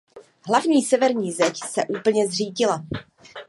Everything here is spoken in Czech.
Hlavní severní zeď se úplně zřítila.